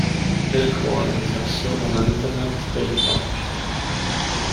Elkhorn is also a Montana State Park.